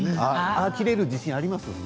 ああ切れる自信あります？